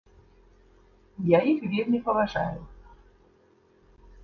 Я іх вельмі паважаю.